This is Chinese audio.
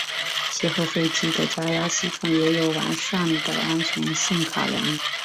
协和飞机的加压系统也有完善的安全性考量。